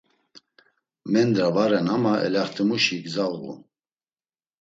Mendra va ren ama elaxtimuşi gza uğun.